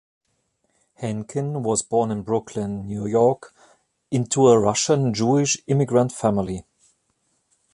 Henkin was born in Brooklyn, New York into a Russian Jewish immigrant family.